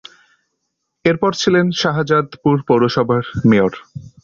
এরপর ছিলেন শাহজাদপুর পৌরসভার মেয়র।